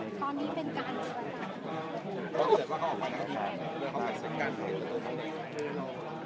มีผู้ที่ได้รับบาดเจ็บและถูกนำตัวส่งโรงพยาบาลเป็นผู้หญิงวัยกลางคน